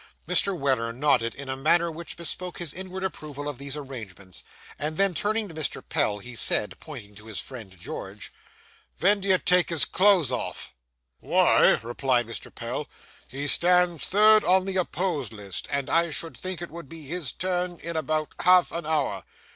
Mr. Weller nodded in a manner which bespoke his inward approval of these arrangements; and then, turning to Mr. Pell, said, pointing to his friend George 'Ven do you take his cloths off?' 'Why,' replied Mr. Pell, 'he stands third on the opposed list, and I should think it would be his turn in about half an hour.